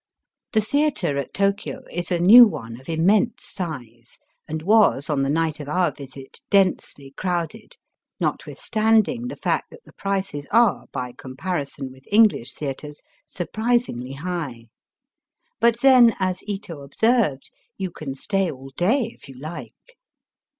The theatre at Tokio is a new one of immense size, and was on the night of our visit densely crowded, notwithstanding the fact that the prices are, by comparison with English theatres, surprisingly high. But then, as Ito observed, you can stay all day if you like.